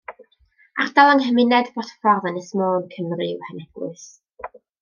Ardal yng nghymuned Bodffordd, Ynys Môn, Cymru yw Heneglwys.